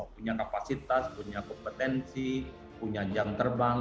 punya kapasitas punya kompetensi punya jam terbang